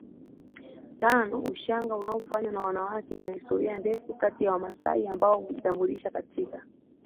tanoUshanga unaofanywa na wanawake ina historia ndefu kati ya Wamasai ambao hujitambulisha katika